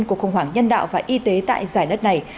cuộc khủng hoảng nhân đạo và y tế tại giải đất này